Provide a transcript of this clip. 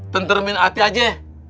tentermin hati aja